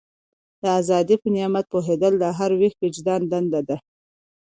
د ازادۍ په نعمت پوهېدل د هر ویښ وجدان دنده ده.